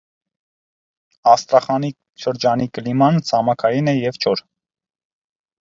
Աստրախանի շրջանի կլիման ցամաքային է և չոր։